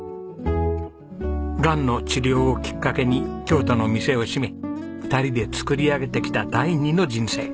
がんの治療をきっかけに京都の店を閉め２人でつくり上げてきた第二の人生。